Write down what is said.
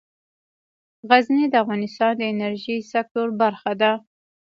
غزني د افغانستان د انرژۍ سکتور برخه ده.